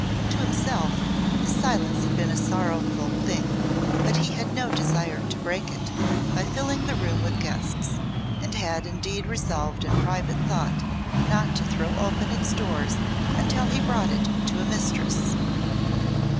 To himself the silence had been a sorrowful thing, but he had no desire to break it by filling the room with guests, and had indeed resolved in private thought not to throw open its doors until he brought to it a mistress.